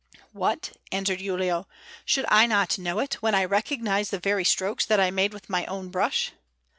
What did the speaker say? "What?" answered Giulio. "Should I not know it, when I recognize the very strokes that I made with my own brush?"